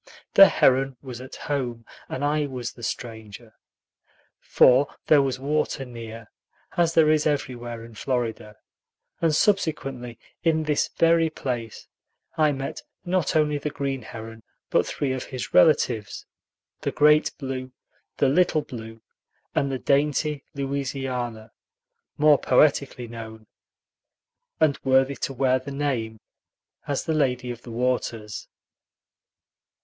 The heron was at home, and I was the stranger. For there was water near, as there is everywhere in Florida; and subsequently, in this very place, I met not only the green heron, but three of his relatives, the great blue, the little blue, and the dainty Louisiana, more poetically known (and worthy to wear the name) as the "Lady of the Waters."